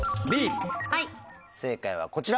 正解はこちら！